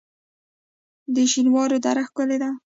د شینوارو دره ښکلې ده